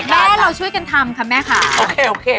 แม่เราช่วยกันทำค่ะแม่ค่ะโอเคโอเค